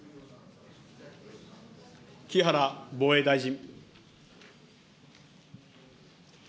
木原防衛大臣。